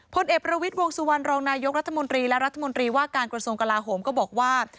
พลเอกประวิทย์วงสุวรรณรองนายกรัฐมนตรีและรัฐมนตรีว่าการกระทรวงกลาโหมก็บอกว่า